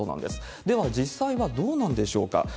では、実際はどうなんでしょうか。